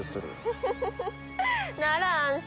フフフフなら安心。